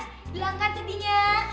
bilang kan sedihnya